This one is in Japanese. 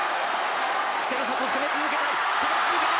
稀勢の里攻め続けている。